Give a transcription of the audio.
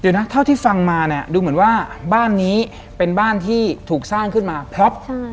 เดี๋ยวนะเท่าที่ฟังมาเนี่ยดูเหมือนว่าบ้านนี้เป็นบ้านที่ถูกสร้างขึ้นมาพล็อป